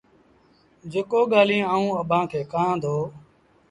جيڪو ڳآليٚنٚ آئوٚنٚ اڀآنٚ کي ڪهآنٚ دو